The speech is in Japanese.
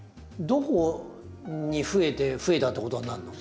どこにふえてふえたってことになるの？